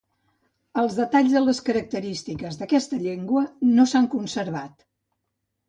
Els detalls de les característiques d'aquesta llengua no s'han conservat.